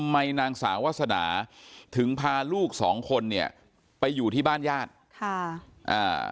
นางสาววาสนาถึงพาลูกสองคนเนี่ยไปอยู่ที่บ้านญาติค่ะอ่า